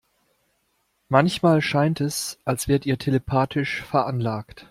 Manchmal scheint es, als wärt ihr telepathisch veranlagt.